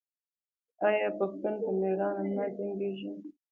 آیا پښتون په میړانه نه جنګیږي؟